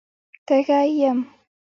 _تږی يم.